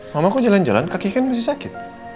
ma mama kok jalan jalan kaki kan masih sakit